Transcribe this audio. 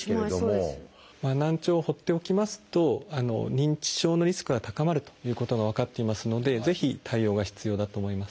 難聴を放っておきますと認知症のリスクが高まるということが分かっていますのでぜひ対応が必要だと思います。